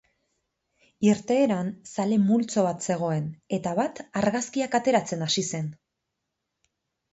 Irteeran zale multzo bat zegoen eta bat argazkiak ateratzen hasi zen.